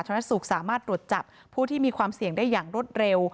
ธนสุขสามารถตรวจจับผู้ที่มีความเสี่ยงได้อย่างรวดเร็ว